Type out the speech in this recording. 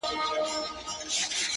• د هندو او کلیمې یې سره څه,